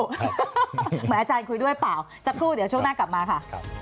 เหมือนอาจารย์คุยด้วยเปล่าสักครู่เดี๋ยวช่วงหน้ากลับมาค่ะ